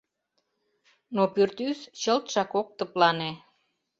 Но пӱртӱс чылтшак ок тыплане.